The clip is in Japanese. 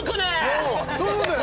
そうだよね？